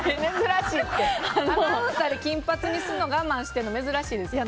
アナウンサーで金髪にするの我慢してるの珍しいですね。